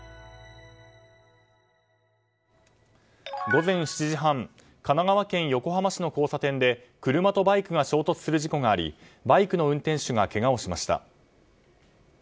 午前７時半神奈川県横浜市の交差点で車とバイクが衝突する事故がありバイクの運転手がけがをしました。